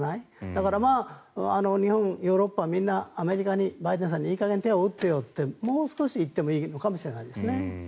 だから日本、ヨーロッパみんなアメリカにバイデンさんいい加減手を打ってよってもう少し言ってもいいのかもしれないですね。